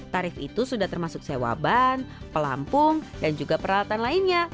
tarif itu sudah termasuk sewa ban pelampung dan juga peralatan lainnya